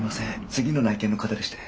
次の内見の方でして。